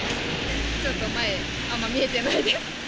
ちょっと前、あんま見えてないです。